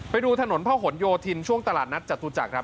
ไปดูถนนพระหลโยธินช่วงตลาดนัดจตุจักรครับ